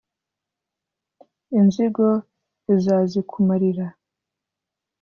inzigo izazikumarira.